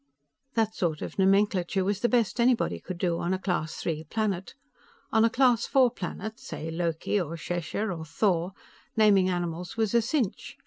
That sort of nomenclature was the best anybody could do on a Class III planet. On a Class IV planet, say Loki, or Shesha, or Thor, naming animals was a cinch.